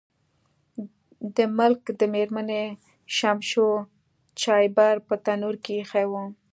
د ملک د میرمنې شمشو چایبر په تنور کې ایښی و.